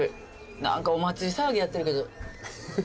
何かお祭り騒ぎやってるけど。